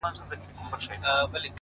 د سړک اوږدوالی د فکر تګ ورو کوي،